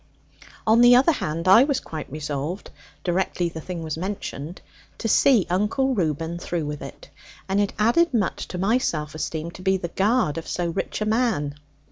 On the other hand, I was quite resolved (directly the thing was mentioned) to see Uncle Reuben through with it; and it added much to my self esteem to be the guard of so rich a man.